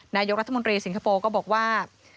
นายกรัฐมนตรีสิงคโปร์ก็บอกว่า